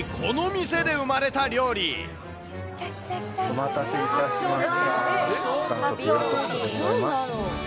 お待たせいたしました。